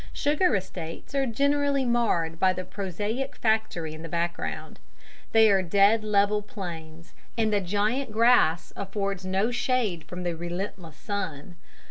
Sugar estates are generally marred by the prosaic factory in the background. They are dead level plains, and the giant grass affords no shade from the relentless sun.